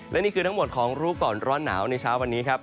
และนี่คือทั้งหมดของรู้ก่อนร้อนหนาวในเช้าวันนี้ครับ